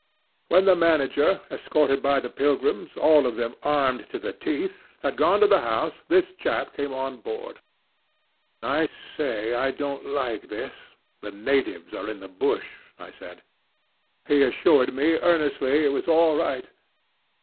"When the manager, escorted by the pilgrims, all of them armed to the teeth, had gone to the house, this chap came on board. 'I say, I don't like this. These natives are in the bush,' I said. He assured me earnestly it was all right.